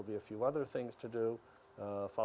ada beberapa hal lain yang harus dilakukan